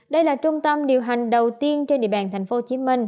đây là trung tâm điều hành đầu tiên trên địa bàn tp hcm